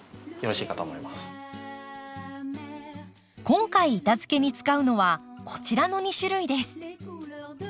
今回板づけに使うのはこちらの２種類です。